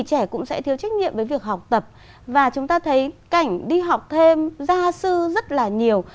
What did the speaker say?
trẻ cũng sẽ thiếu trách nhiệm với việc học tập và chúng ta thấy cảnh đi học thêm gia sư rất là nhiều